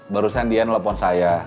barusan dian nelfon saya